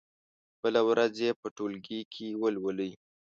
بله ورځ يې په ټولګي کې ولولئ.